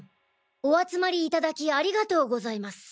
お集まりいただきありがとうございます。